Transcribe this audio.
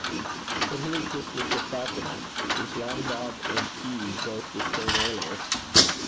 'But who is this Mr. Falconer? Is Long Bob and he both the same alias?'